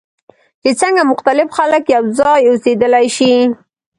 چې څنګه مختلف خلک یوځای اوسیدلی شي.